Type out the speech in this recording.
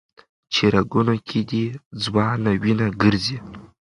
چي رګونو كي دي ځوانه وينه ګرځي